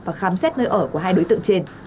và khám xét nơi ở của hai đối tượng trên